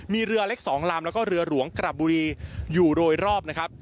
มีเรือเล็ก๒ลำแล้วก็เรือหลวงกระบุรีอยู่โดยรอบนะครับ